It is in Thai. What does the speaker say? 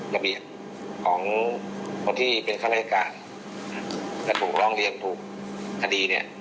ระเบียบของคนที่เป็นข้าราชการและถูกร้องเรียนถูกคดีเนี่ย